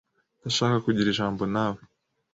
Ndashaka kugira ijambo nawe .